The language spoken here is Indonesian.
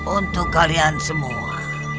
untuk kalian semua